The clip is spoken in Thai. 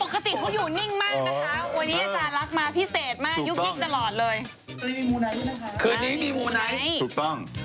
คือนี้มีมูไนท์ด้วยนะคะคือนี้มีมูไนท์ถูกต้อง